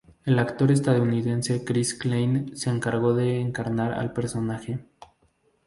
El actor estadounidense Chris Klein se encargo de encarnar al personaje.